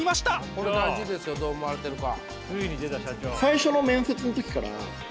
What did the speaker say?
これ大事ですよどう思われてるか。